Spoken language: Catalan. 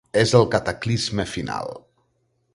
És el cataclisme final.